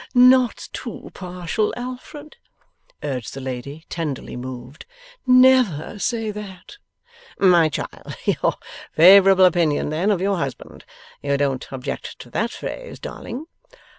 Not too partial, Alfred,' urged the lady, tenderly moved; 'never say that.' 'My child, your favourable opinion, then, of your husband you don't object to that phrase, darling?